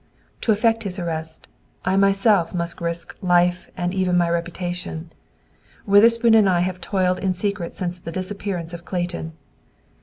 To effect his arrest, I myself must risk life and even my reputation. Witherspoon and I have toiled in secret since the disappearance of Clayton.